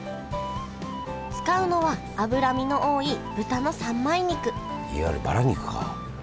使うのは脂身の多い豚の三枚肉いわゆるバラ肉か。